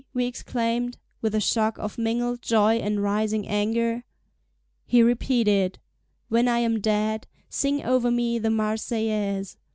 we exclaimed, with a shock of mingled joy and rising anger. He repeated: "When I am dead sing over me the Marseillaise."